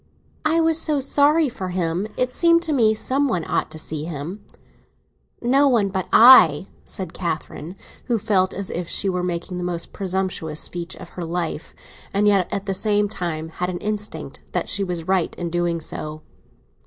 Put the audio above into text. "I was so sorry for him—it seemed to me some one ought to see him." "No one but I," said Catherine, who felt as if she were making the most presumptuous speech of her life, and yet at the same time had an instinct that she was right in doing so.